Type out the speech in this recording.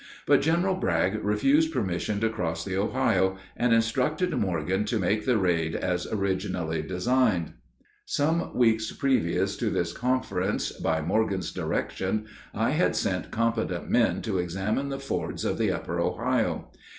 But General Bragg refused permission to cross the Ohio, and instructed Morgan to make the raid as originally designed. [Illustration: THE MORGAN RAID. JULY 1863.] Some weeks previous to this conference, by Morgan's direction I had sent competent men to examine the fords of the upper Ohio.